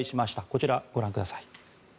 こちら、ご覧ください。